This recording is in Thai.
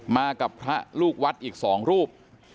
มากับพระลูกวัดอีก๒รูป